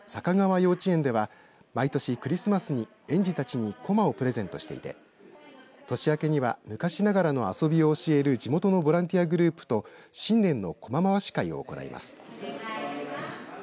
幼稚園では毎年、クリスマスに園児たちにこまをプレゼントしていて年明けには昔ながらの遊びを教える地元のボランティアグループと新年のこま回し会を行います。